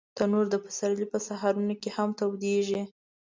تنور د پسرلي په سهارونو کې هم تودېږي